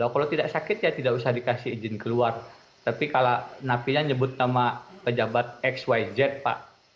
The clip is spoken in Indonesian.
kalau tidak sakit ya tidak usah dikasih izin keluar tapi kalau napinya nyebut nama pejabat xyz pak